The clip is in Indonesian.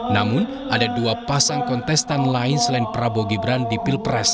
namun ada dua pasang kontestan lain selain prabowo gibran di pilpres